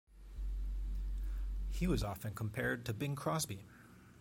He was often compared to Bing Crosby.